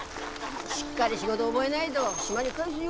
しっかり仕事覚えないと島に帰すよ。